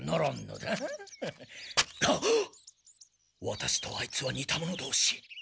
ワタシとあいつはにた者同士。